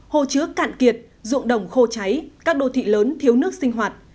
hồ chứa cạn kiệt ruộng đồng khô cháy các đô thị lớn thiếu nước sinh hoạt